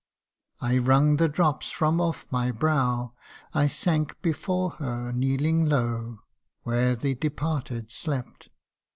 " I wrung the drops from off my brow ; I sank before her, kneeling low Where the departed slept.